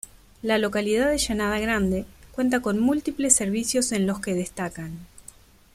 La localidad de Llanada grande cuenta con múltiples servicios en los que destacan.